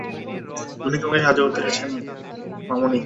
উনি তোমাকে সাহায্য করতে এসেছেন, মামনি।